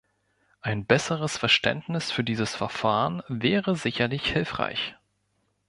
Ein besseres Verständnis für dieses Verfahren wäre sicherlich hilfreich.